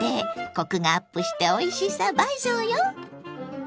コクがアップしておいしさ倍増よ！